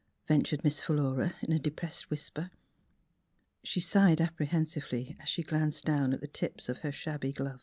ventured Miss Philura in a depressed whisper. She sighed appre hensively as she glanced down at the tips of her shabby gloves.